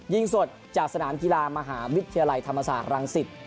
ยิงสดจากสนามกีฬามหาวิทยาลัยธรรมศาสตร์รังสิต